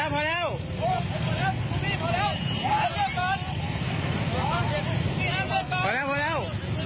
พอแล้ว